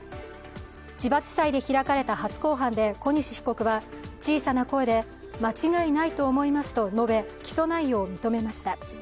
千葉地裁で開かれた初公判で小西被告は小さな声で、間違いないと思いますと述べ、起訴内容を認めました。